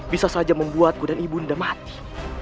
bisa saja membuatku dan ibu nda mati